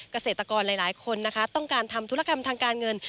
เกษตรกรหลายคนนะคะต้องการทำธุรกรรมทางการเงิน